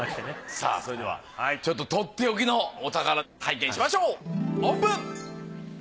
さぁそれではとっておきのお宝拝見しましょうオープン！